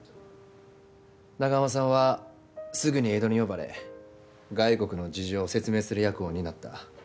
中濱さんはすぐに江戸に呼ばれ外国の事情を説明する役を担った。